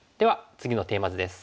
次のテーマ図です。